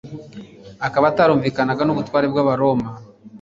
akaba atarumvikanaga n'ubutware bw'abaroma,